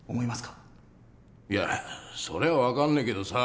いやそれは分かんねえけどさ